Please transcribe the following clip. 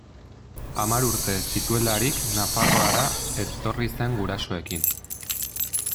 Hamar urte zituelarik Nafarroara etorri zen gurasoekin.